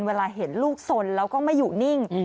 เวลาเห็นลูกสนแล้วก็ไม่อยู่นิ่ง